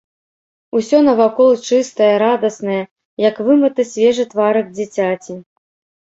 Усё навакол чыстае, радаснае, як вымыты свежы тварык дзіцяці.